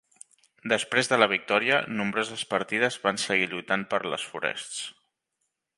Després de la victòria, nombroses partides van seguir lluitant per les forests.